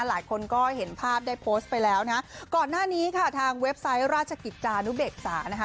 หลายคนก็เห็นภาพได้โพสต์ไปแล้วนะก่อนหน้านี้ค่ะทางเว็บไซต์ราชกิจจานุเบกษานะคะ